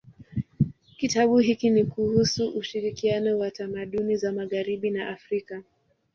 Kitabu hiki ni kuhusu ushirikiano wa tamaduni za magharibi na Afrika.